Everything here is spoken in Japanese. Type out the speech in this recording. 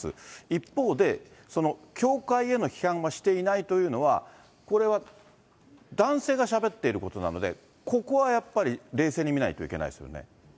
一方で、教会への批判はしていないというのは、これは男性がしゃべっていることなので、ここはやっぱり冷静に見ないといけないですよね。